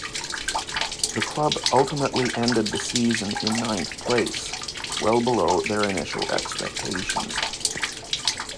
The club ultimately ended the season in ninth place, well below their initial expectations.